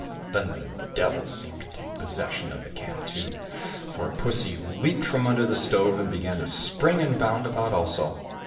|Then the Devil seemed to take possession of the cat too, for pussy leaped from under the stove and began to spring and bound about also.